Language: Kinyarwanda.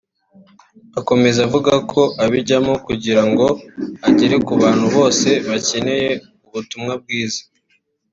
Akomeza avuga ko abijyamo kugira ngo agere ku bantu bose bakeneye ubutumwa bwiza